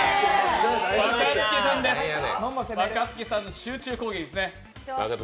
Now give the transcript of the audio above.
若槻さんへ集中攻撃ですね。